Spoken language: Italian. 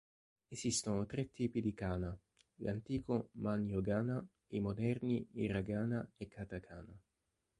Esistono tre tipi di "kana": l'antico "man'yōgana" e i moderni "hiragana" e "katakana".